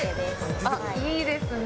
あっいいですね！